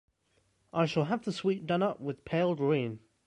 I shall have the suite done up with pale green.